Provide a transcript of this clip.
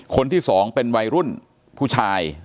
คนที่สองเป็นวัยรุ่นผู้ชาย